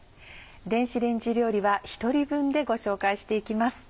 電子レンジ料理は１人分でご紹介していきます。